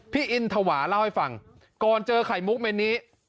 อินทวาเล่าให้ฟังก่อนเจอไข่มุกเมนนี้